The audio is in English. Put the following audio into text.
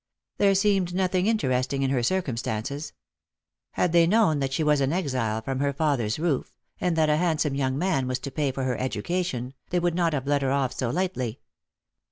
There seemed nothing interesting in her circumstances. Had they known that she was an exile from her father's roof, and that a handsome young man was to pa,y for her education, they would not have let her off so lightly.